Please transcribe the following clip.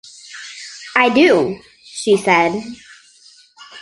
“I do,” she said.